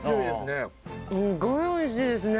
すごいおいしいですね。